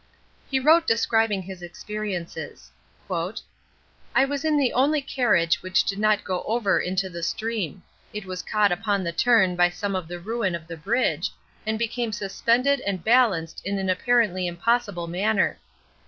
He wrote describing his experiences: "I was in the only carriage which did not go over into the stream. It was caught upon the turn by some of the ruin of the bridge, and became suspended and balanced in an apparently impossible manner.